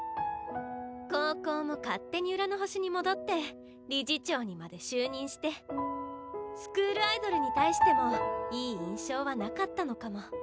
高校も勝手に浦の星に戻って理事長にまで就任してスクールアイドルに対してもいい印象はなかったのかも。